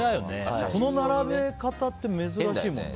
この並べ方って珍しいもんな。